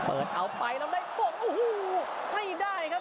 เอาไปแล้วได้ปกโอ้โหไม่ได้ครับ